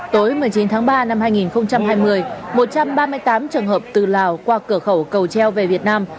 tối một mươi chín tháng ba năm hai nghìn hai mươi một trăm ba mươi tám trường hợp từ lào qua cửa khẩu cầu treo về việt nam